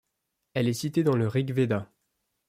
Elle est citée dans le Rig-Véda.